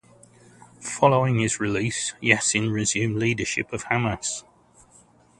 Following his release, Yassin resumed his leadership of Hamas.